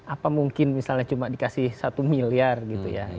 apa mungkin misalnya cuma dikasih satu miliar gitu ya